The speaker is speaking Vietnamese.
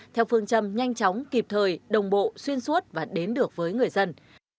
theo phương châm nhanh chóng kịp thời đồng bộ xuyên suốt và đến được với người dân